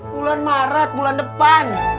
bulan maret bulan depan